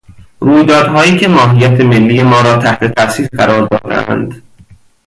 رویدادهایی که ماهیت ملی ما را تحت تاثیر قرار دادهاند